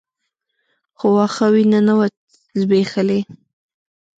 خو واښه وينه نه وه ځبېښلې.